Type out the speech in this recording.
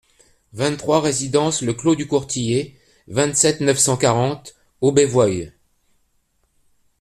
vingt-trois résidence le Clos du Courtillet, vingt-sept, neuf cent quarante, Aubevoye